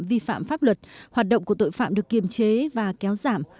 vi phạm pháp luật hoạt động của tội phạm được kiềm chế và kéo giảm